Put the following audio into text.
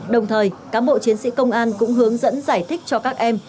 đồng thời cán bộ chiến sĩ công an cũng hướng dẫn giải thích cho các em